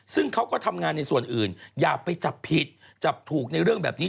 ซึ่งเขาก็ทำงานในส่วนอื่นอย่าไปจับผิดจับถูกในเรื่องแบบนี้